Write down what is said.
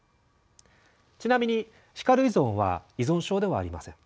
ちなみに「叱る依存」は依存症ではありません。